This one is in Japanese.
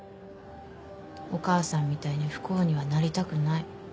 お母さんみたいに不幸にはなりたくない。